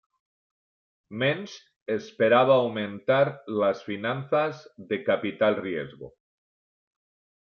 Mensch esperaba aumentar las finanzas de capital riesgo.